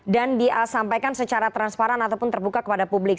disampaikan secara transparan ataupun terbuka kepada publik